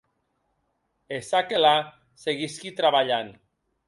E, ça que la, seguisqui trabalhant.